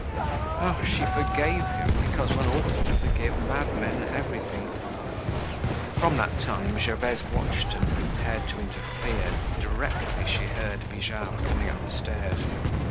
Oh! she forgave him, because one ought to forgive madmen everything. From that time Gervaise watched and prepared to interfere directly she heard Bijard coming up the stairs.